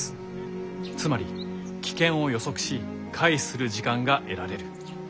つまり危険を予測し回避する時間が得られる。